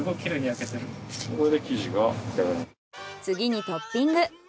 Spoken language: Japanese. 次にトッピング。